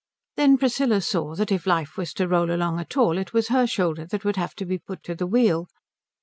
Then Priscilla saw that if life was to roll along at all it was her shoulder that would have to be put to the wheel.